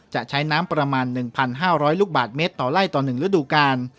จะใช้น้ำประมาณ๑๕๐๐ลูกบาทเมตรต่อไล่ต่อ๑ฤดูกาล